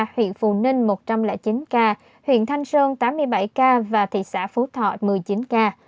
huyện phù ninh một trăm linh chín ca huyện thanh sơn tám mươi bảy ca và thị xã phú thọ một mươi chín ca